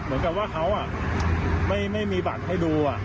เหมือนกับว่าเขาอ่ะไม่ไม่มีบัตรให้ดูอ่ะ